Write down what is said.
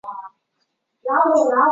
左右之人都很震惊恐惧。